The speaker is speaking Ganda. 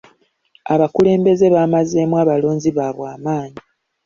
Abakulembeze baamazeemu abalonzi baabwe amaanyi.